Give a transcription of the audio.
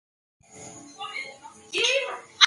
Golle mooɗon e wooɗi finne fu.